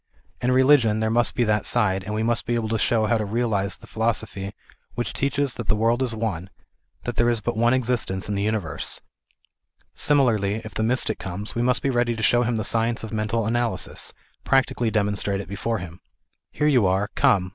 In religion there must be that side, and we must be able to show how to realize the philosophy which teaches that this world is one, that there is but one existence in the universe. Similarly, if the mystic comes, we must be ready to show him the science of mental analysis, practically demonstrate it before him. Here you are, come, THE IDEAL OF A UNIVERSAL RELIGION.